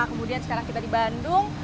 kemudian sekarang kita di bandung